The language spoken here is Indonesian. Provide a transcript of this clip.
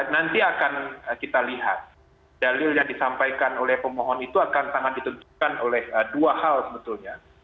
nanti akan kita lihat dalil yang disampaikan oleh pemohon itu akan sangat ditentukan oleh dua hal sebetulnya